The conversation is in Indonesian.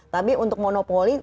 tapi untuk monopoli